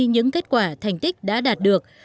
những kết quả thành tích đã đạt được